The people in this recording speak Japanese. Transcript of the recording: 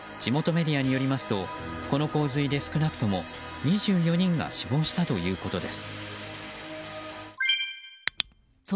地元メディアによりますとこの洪水で、少なくとも２４人が死亡したということです。